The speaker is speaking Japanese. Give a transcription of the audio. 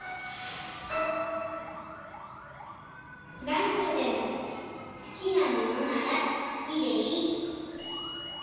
「だんじょでも好きなものなら好きでいい」。